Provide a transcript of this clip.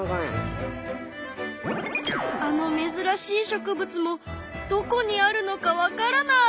あのめずらしい植物もどこにあるのかわからない。